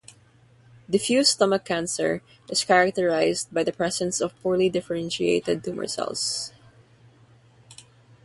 Diffuse stomach cancer is characterized by the presence of poorly differentiated tumor cells.